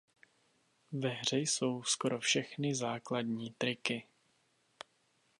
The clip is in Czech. Ve hře jsou skoro všechny základní triky.